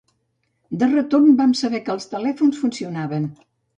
De retorn, vam saber que els telèfons funcionaven